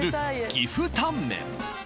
岐阜タンメン